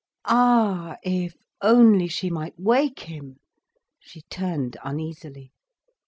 Ah, if only she might wake him! She turned uneasily.